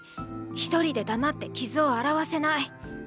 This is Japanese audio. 一人で黙って傷を洗わせない。